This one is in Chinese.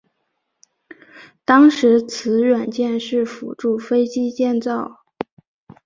当时此软件是辅助飞机建造。